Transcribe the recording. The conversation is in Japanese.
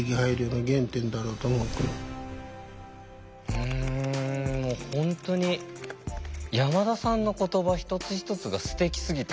うん本当に山田さんの言葉一つ一つがすてきすぎた。